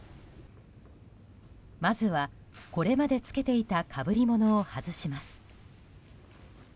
まずは、これまで着けていたかぶりものを外します。